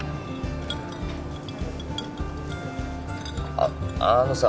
あっあのさ。